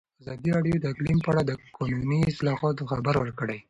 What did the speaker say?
ازادي راډیو د اقلیم په اړه د قانوني اصلاحاتو خبر ورکړی.